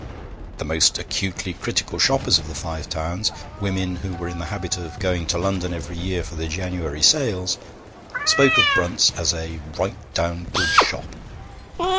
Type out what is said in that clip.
The most acutely critical shoppers of the Five Towns women who were in the habit of going to London every year for the January sales spoke of Brunt's as a 'right down good shop.'